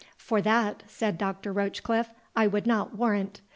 "For that," said Dr. Rochecliffe, "I would not warrant.